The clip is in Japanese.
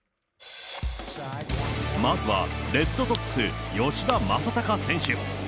まずはレッドソックス、吉田正尚選手。